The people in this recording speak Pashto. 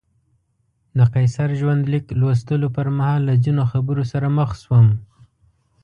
د قیصر ژوندلیک لوستلو پر مهال له ځینو خبرو سره مخ شوم.